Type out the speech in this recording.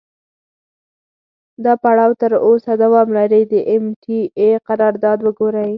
دا پړاو تر اوسه دوام لري، د ام ټي اې قرارداد وګورئ.